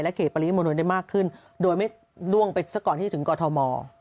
และเขตปริศมนตรวจได้มากขึ้นโดยไม่ล่วงไปสักก่อนที่ถึงกอทม